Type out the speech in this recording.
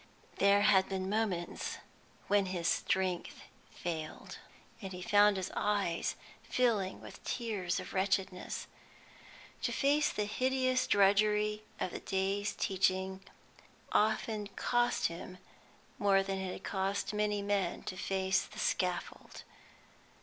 There had been moments when his strength failed, and he found his eyes filling with tears of wretchedness. To face the hideous drudgery of the day's teaching often cost him more than it had cost many men to face the scaffold.